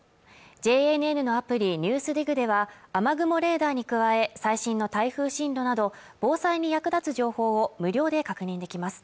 ＪＮＮのアプリ「ＮＥＷＳＤＩＧ」では雨雲レーダーに加え最新の台風進路など防災に役立つ情報を無料で確認できます